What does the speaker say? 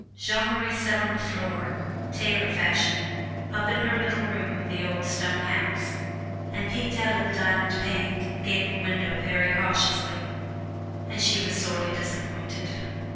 Jeanne Marie sat on the floor, tailor fashion, up in her little room of the old stone house, and peeked out of the diamond paned gable window very cautiously; and she was sorely disappointed.